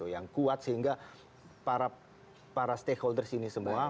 yang kuat sehingga para stakeholders ini semua